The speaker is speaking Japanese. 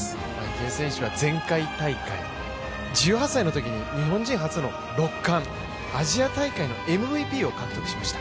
池江選手は前回大会、１８歳のときに日本人初の６冠、アジア大会のＭＶＰを獲得しました。